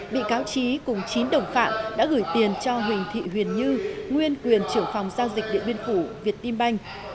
bị cáo trí cùng chín đồng phạm đã gửi tiền cho huỳnh thị huyền như nguyên quyền trưởng phòng giao dịch điện biên phủ việt tim banh